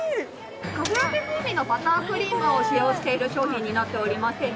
カフェラテ風味のバタークリームを使用している商品になっておりまして。